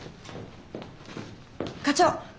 課長！